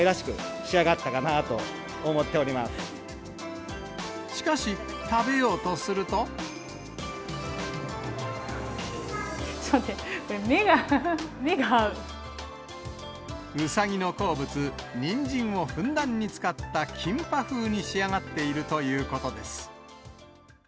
ちょっと待って、目が、ウサギの好物、にんじんをふんだんに使ったキンパ風に仕上がっているということです。